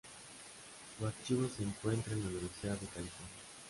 Su archivo se encuentra en la Universidad de California.